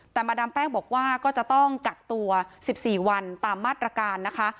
แต่มาดามแป้งบอกว่าก็จะต้องกักตัว๑๔วันตามมาตรการนะคะ